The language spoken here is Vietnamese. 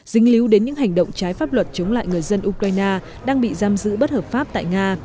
dính líu đến những hành động trái pháp luật chống lại người dân ukraine đang bị giam giữ bất hợp pháp tại nga